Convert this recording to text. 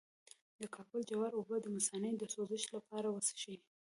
د کاکل جوار اوبه د مثانې د سوزش لپاره وڅښئ